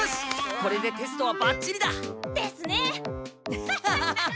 これでテストはバッチリだ！ですね！ハハハハ。